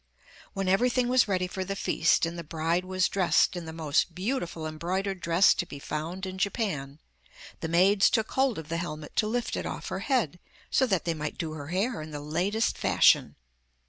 When everything was ready for the feast, and the bride was dressed in the most beautiful embroidered dress to be found in Japan, the maids took hold of the helmet to lift it off her head, so that they might do her hair in the latest fashion.